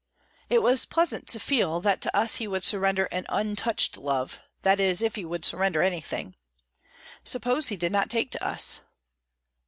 It was pleasant to feel that to us he would surrender an untouched love, that is, if he would surrender anything. Suppose he did not take to us!